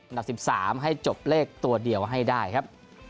๑๓ให้จบเลขตัวเดียวให้ได้ครับ